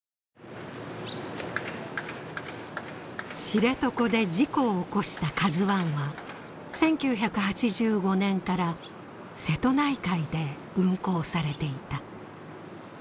知床で事故を起こしたＫＡＺＵⅠは１９８５年から瀬戸内海で運航されていた。